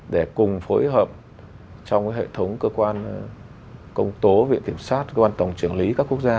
để cùng phối hợp trong hệ thống cơ quan công tố viện kiểm sát cơ quan tổng trưởng lý các quốc gia